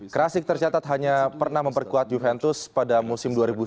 krasi tercatat hanya pernah memperkuat juventus pada musim